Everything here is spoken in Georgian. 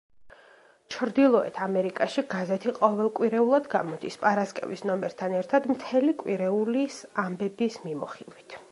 ჩრდილოეთ ამერიკაში გაზეთი ყოველკვირეულად გამოდის, პარასკევის ნომერთან ერთად მთელი კვირეულის ამბების მიმოხილვით.